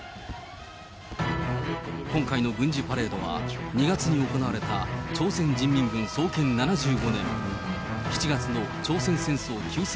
今回の軍事パレードは、２月に行われた朝鮮人民軍創建７５年、７月の朝鮮戦争休戦